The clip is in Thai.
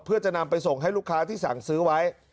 เพื่อจะนำไปส่งให้ลูกค้าที่สั่งซื้อไว้